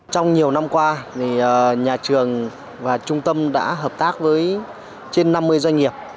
trong nhiều năm qua nhà trường và trung tâm đã hợp tác với trên năm mươi doanh nghiệp